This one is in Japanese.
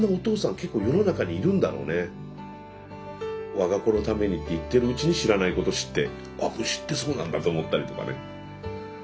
我が子のためにって言ってるうちに知らないこと知って「あっ虫ってそうなんだ」と思ったりとかね。